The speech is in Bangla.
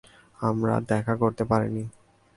আমরা দেখা করতে পারিনি।